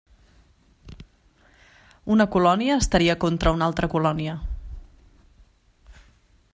Una colònia estaria contra una altra colònia.